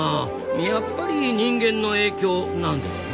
やっぱり人間の影響なんですな。